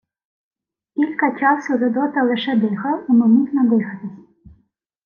Кілька часу Людота лише дихав і не міг надихатись.